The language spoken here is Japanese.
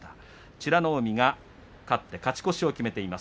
美ノ海が勝って勝ち越しを決めています。